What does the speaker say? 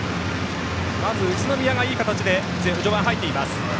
まず宇都宮がいい形で序盤、入っています。